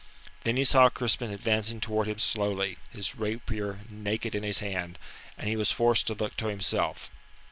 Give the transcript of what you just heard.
Then he saw Crispin advancing towards him slowly, his rapier naked in his hand, and he was forced to look to himself.